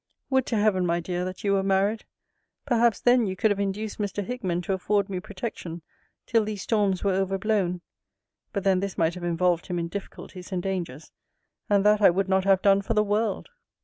Would to heaven, my dear, that you were married! Perhaps, then, you could have induced Mr. Hickman to afford me protection, till these storms were over blown. But then this might have involved him in difficulties and dangers; and that I would not have done for the world.